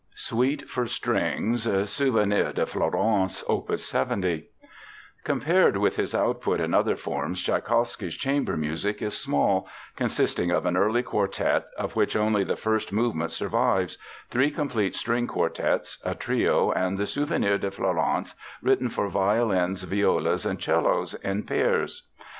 SUITE FOR STRINGS, Souvenir de Florence, OPUS 70 Compared with his output in other forms, Tschaikowsky's chamber music is small, consisting of an early quartet, of which only the first movement survives, three complete string quartets, a trio, and the Souvenir de Florence, written for violins, violas, and 'cellos in pairs.